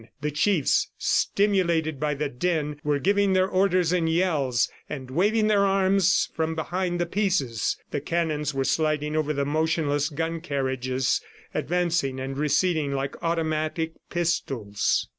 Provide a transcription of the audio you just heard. The chiefs, stimulated by the din, were giving their orders in yells, and waving their arms from behind the pieces. The cannon were sliding over the motionless gun carriages, advancing and receding like automatic pistols.